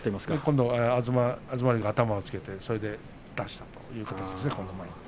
東龍は頭をつけてそれで出したという形ですね。